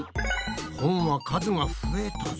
本は数が増えたぞ。